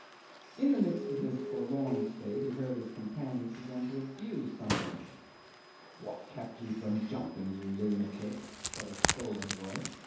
'In the midst of his forlorn state he heard his companions begin to abuse some one. "What kept you from jumping, you lunatic?" said a scolding voice.